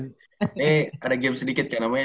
ini ada game sedikit kan namanya